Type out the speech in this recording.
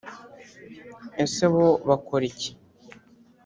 ese bo bakora iki